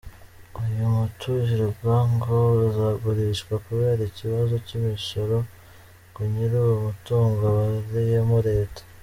Uyu muturirwa ngo uzagurishwa kubera ikibazo cy’imisoro ngo nyiri uwo mutungo abereyemo Leta.